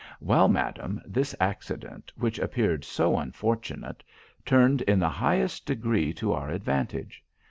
Well, madam, this accident, which appeared so unfortunate, turned in the highest degree to our advantage.